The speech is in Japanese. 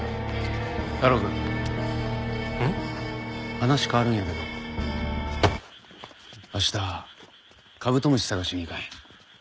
話変わるんやけど明日カブトムシ探しに行かへん？